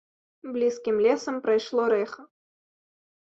Блізкім лесам прайшло рэха.